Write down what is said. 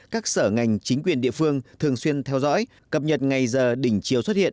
các sở ngành chính quyền địa phương thường xuyên theo dõi cập nhật ngày giờ đỉnh chiều xuất hiện